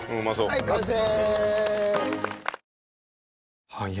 はい完成！